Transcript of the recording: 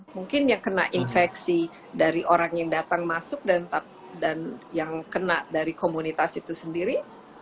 mungkin yang kena infeksi dari orang yang datang masuk dan yang kena dari komunitas itu sendiri